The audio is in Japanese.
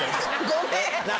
ごめん。